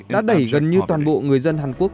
đã đẩy gần như toàn bộ người dân hàn quốc